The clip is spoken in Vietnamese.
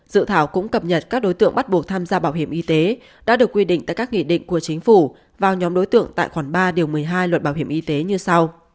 dự thảo cũng cập nhật các đối tượng bắt buộc tham gia bảo hiểm y tế đã được quy định tại các nghị định của chính phủ vào nhóm đối tượng tại khoản ba điều một mươi hai luật bảo hiểm y tế như sau